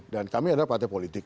dan kami adalah partai politik